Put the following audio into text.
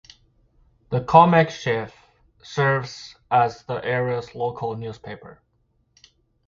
The Comanche Chief serves as the areas local newspaper.